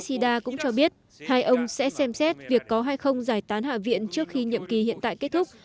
kishida cũng cho biết hai ông sẽ xem xét việc có hay không giải tán hạ viện trước khi nhiệm kỳ hiện tại kết thúc